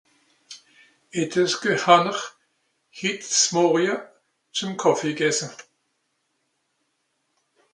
het'es gehanner hits mòrje zùm Kàffee gesse